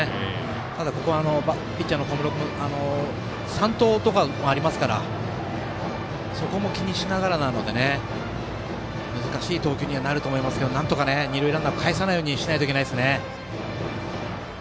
ただここ、ピッチャーの小室君三盗とかもありますからそれも気にしながらなので難しい投球になるとは思いますが二塁ランナーをかえさないようにしないといけないですね。